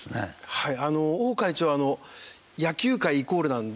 はい。